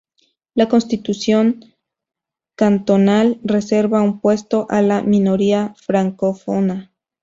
La constitución cantonal reserva un puesto a la minoría francófona.